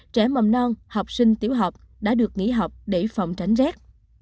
trẻ mầm non học sinh tiểu học đã được nghỉ học để phòng tránh rét